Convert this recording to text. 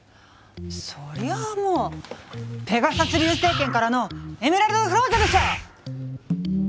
そりゃあもうペガサス流星拳からのエメラルドフロウジョンでしょ！